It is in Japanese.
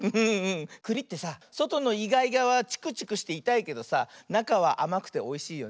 くりってさそとのイガイガはチクチクしていたいけどさなかはあまくておいしいよね。